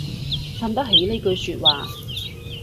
襯得起呢句說話